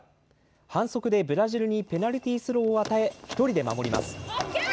反則でブラジルにペナルティースローを与え、１人で守ります。